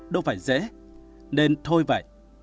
đâu phải dễ nên thôi vậy